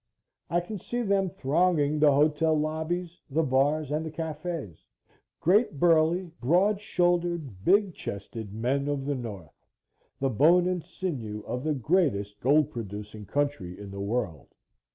I can see them thronging the hotel lobbies, the bars, and the cafes great, burly, broad shouldered, big chested men of the North the bone and sinew of the greatest gold producing country in the world.